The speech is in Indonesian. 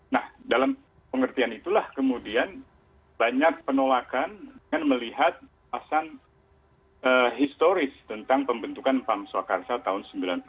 nah dalam pengertian itulah kemudian banyak penolakan dengan melihat alasan historis tentang pembentukan pam swakarsa tahun seribu sembilan ratus sembilan puluh delapan